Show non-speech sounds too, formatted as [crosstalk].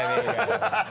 ハハハ [laughs]